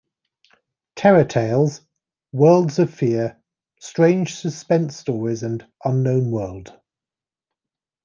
Terror Tales", "Worlds of Fear", "Strange Suspense Stories," and "Unknown World".